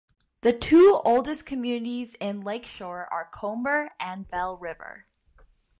The two oldest communities in Lakeshore are Comber and Belle River.